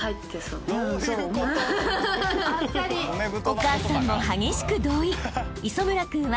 ［お母さんも激しく同意］